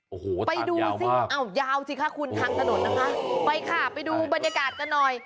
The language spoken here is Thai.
โอ้โหทางยาวมากไปดูซิยาวสิค่ะคุณทางถนนนะคะไปค่ะไปดูบรรยากาศกันหน่อย